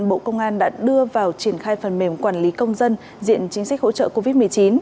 bộ công an đã đưa vào triển khai phần mềm quản lý công dân diện chính sách hỗ trợ covid một mươi chín